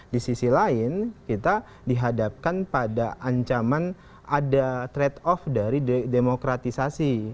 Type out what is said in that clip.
di sisi lain kita dihadapkan pada ancaman ada trade off dari demokratisasi